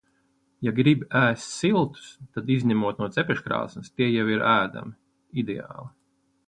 Ja grib ēst siltus, tad izņemot no cepeškrāsns tie jau ir ēdami. Ideāli!